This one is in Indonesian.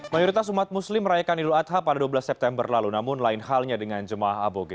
mayoritas umat muslim merayakan idul adha pada dua belas september lalu namun lain halnya dengan jemaah aboge